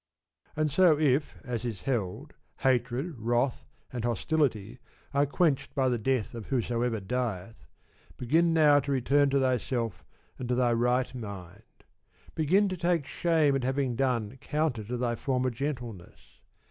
And so if, as is held, hatred, wrath, and hostility are quenched by the death of whosoever dieth, begin now to return to thyself and to thy right mind. Begin to take shame at having done counter to thy former gentleness.